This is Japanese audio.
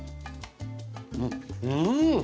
うん！